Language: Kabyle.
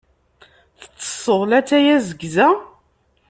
Tettesseḍ latay azegza?